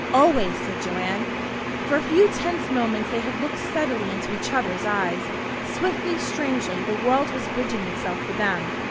"Always," said Joanne. For a few tense moments they had looked steadily into each other's eyes. Swiftly, strangely, the world was bridging itself for them.